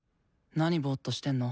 なにぼっとしてんの？